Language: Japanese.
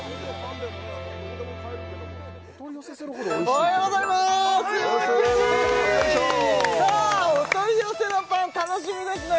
おはようございますさあお取り寄せのパン楽しみですね